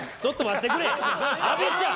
安部ちゃん！